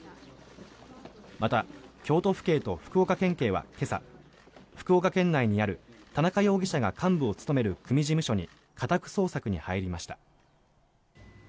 また京都府警と福岡県警は今朝福岡県内にある、田中容疑者が幹部を務める組事務所に家宅捜索に入りました。